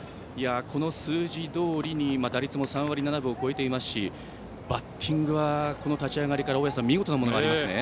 この数字どおりに打率も３割７分を超えていますしバッティングは立ち上がりから見事なものがありますね。